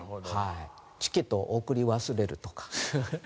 チケットを送り忘れるとか。